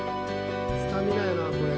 スタミナやなこれ。